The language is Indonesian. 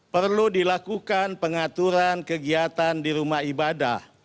perlu dilakukan pengaturan kegiatan di rumah ibadah